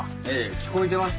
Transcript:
聞こえてますよ。